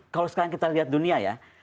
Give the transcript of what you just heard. kalau sekarang kita lihat dunia ya